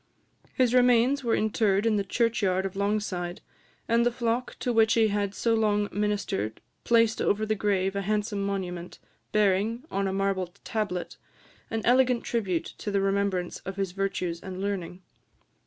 His remains were interred in the churchyard of Longside; and the flock to which he had so long ministered placed over the grave a handsome monument, bearing, on a marble tablet, an elegant tribute to the remembrance of his virtues and learning.